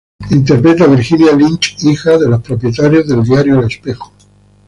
Interpreta a Virginia Lynch, hija de los propietarios del Diario El Espejo.